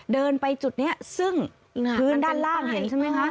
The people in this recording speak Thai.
เดินไปจุดนี้ซึ่งพื้นด้านล่างเห็นใช่ไหมคะ